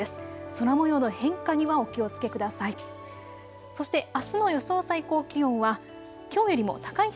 空もようの変化にはお気をつけください。